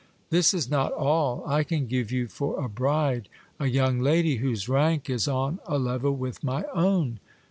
This is not all ; I can give you for a bride a young lady whose rank is on a level with my own.